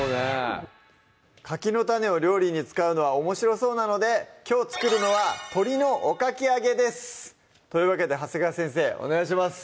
かきの種を料理に使うのはおもしろそうなのできょう作るのは「鶏のおかき揚げ」ですというわけで長谷川先生お願いします